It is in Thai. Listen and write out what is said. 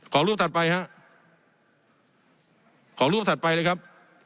ขอรูปถัดไปฮะขอรูปถัดไปเลยครับ